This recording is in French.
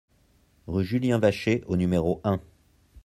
Rue Julien Vachet au numéro un